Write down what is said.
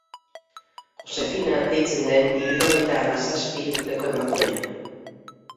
Josefina deitzen den hirurogeita hamazazpi urteko emakumea.